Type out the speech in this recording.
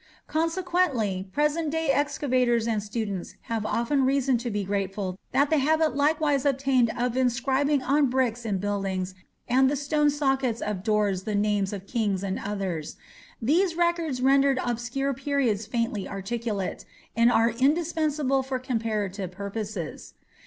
Consequently, present day excavators and students have often reason to be grateful that the habit likewise obtained of inscribing on bricks in buildings and the stone sockets of doors the names of kings and others. These records render obscure periods faintly articulate, and are indispensable for comparative purposes.